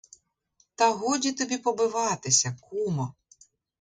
Та годі тобі побиватися, кумо.